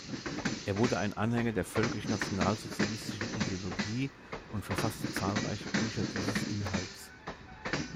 Er wurde ein Anhänger der völkisch-nationalsozialistischen Ideologie und verfasste zahlreiche Bücher dieses Inhalts.